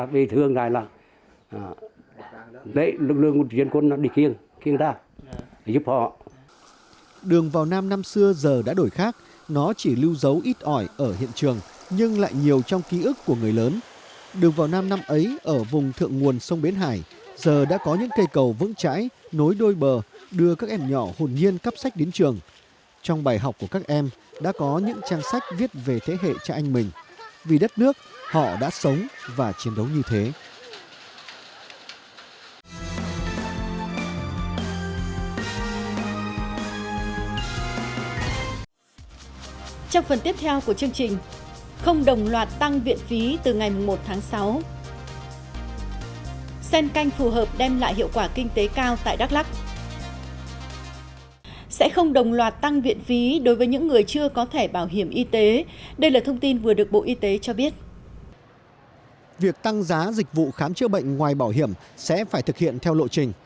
việc tăng giá dịch vụ khám chữa bệnh ngoài bảo hiểm sẽ phải thực hiện theo lộ trình